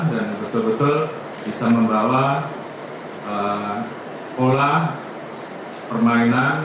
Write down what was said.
dan betul betul bisa membawa pola permainan